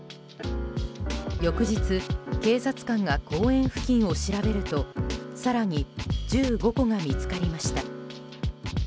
翌日、警察官が公園付近を調べると更に１５個が見つかりました。